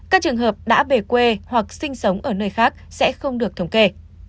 các trường hợp đã về quê hoặc sinh sống ở nơi khác sẽ không được thống kê